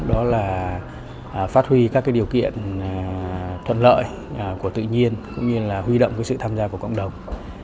đó là phát huy các điều kiện thuận lợi của tự nhiên cũng như là huy động sự tham gia của cộng đồng